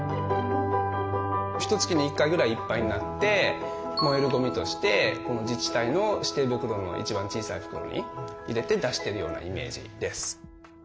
ひとつきに１回くらいいっぱいになって燃えるゴミとして自治体の指定袋の一番小さい袋に入れて出してるようなイメージです。